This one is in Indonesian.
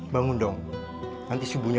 maksudnya aku mau gabung ikut